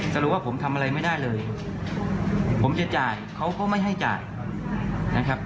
สรุปว่าผมทำอะไรไม่ได้เลยผมจะจ่ายเขาก็ไม่ให้จ่ายนะครับ